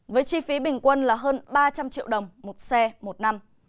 với chi phí bình quân là hơn ba trăm linh triệu đồng một xe một năm